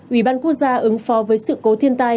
ủy ban quốc gia ứng phó với sự cố thiên tai